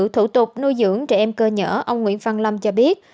thủ tục nuôi dưỡng trẻ em cơ nhở ông nguyễn văn lâm cho biết